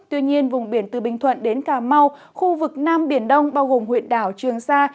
tuy nhiên vùng biển từ bình thuận đến cà mau khu vực nam biển đông bao gồm huyện đảo trường sa